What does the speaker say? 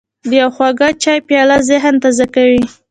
د یو خواږه چای پیاله ذهن تازه کوي.